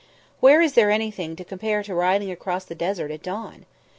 Where is there anything to compare to riding across the desert at dawn?